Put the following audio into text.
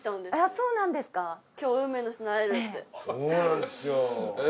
・そうなんですよ。